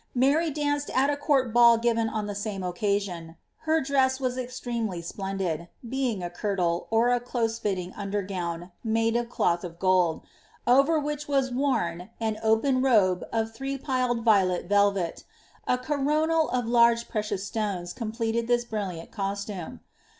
Mary danced at a coort ball given on the same occasion : her dress was extremely splendid, being a kirtle, or close fitting under go wn, made of cloth of gold, over which was worn an open robe of three piled violet velvet ; a coronal of lai^ precious stones completed this brilliant costume.